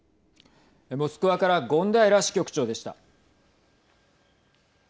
モスクワから権平支局長でした。